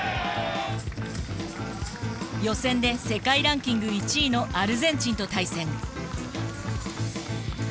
予選で世界ランキング１位のアルゼンチンと対戦。